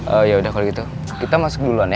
oh ya udah kalau gitu kita masuk duluan ya